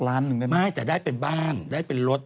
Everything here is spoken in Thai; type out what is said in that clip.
แต่ได้เป็นบ้านได้เป็นรถ